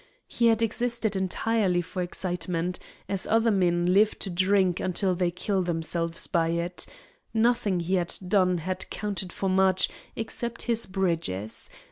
He had existed entirely for excitement, as other men live to drink until they kill themselves by it; nothing he had done had counted for much except his bridges.